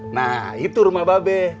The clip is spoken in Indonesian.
nah itu rumah babe